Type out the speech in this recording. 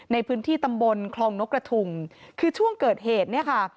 ในพื้นที่ตำบลคลองนกกระทุมคือช่วงเกิดเหตุเนี่ยค่ะ